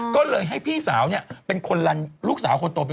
ก็เลยให้พี่สาวเนี่ยเป็นลูกสาวคนโต